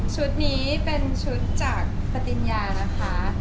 ชุดนี้เป็นชุดจากปฏิญญานะคะ